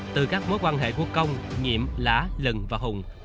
từ các mối quan hệ của công nhiệm lã lần và hùng